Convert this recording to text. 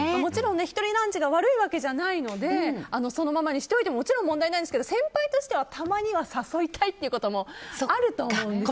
もちろん１人ランチが悪いわけじゃないのでそのままにしておいても問題ないんですが、先輩としてはたまには誘いたいというのもあると思うんですよ。